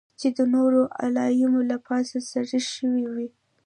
چې د نورو اعلامیو له پاسه سریښ شوې وې.